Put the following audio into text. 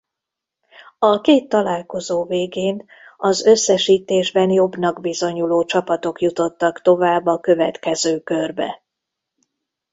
A két találkozó végén az összesítésben jobbnak bizonyuló csapatok jutottak tovább a következő körbe.